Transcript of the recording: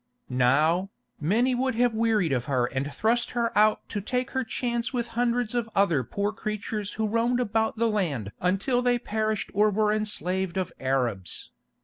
Now, many would have wearied of her and thrust her out to take her chance with hundreds of other poor creatures who roamed about the land until they perished or were enslaved of Arabs.